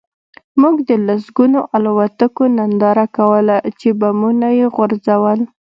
موږ د لسګونو الوتکو ننداره کوله چې بمونه یې غورځول